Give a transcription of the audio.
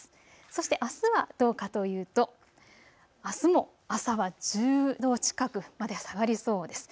そして、あすはどうかというと、あすも朝は１０度近くまで下がりそうです。